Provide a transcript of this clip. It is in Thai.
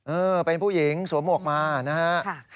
เออเป็นผู้หญิงสวมหมวกมานะฮะ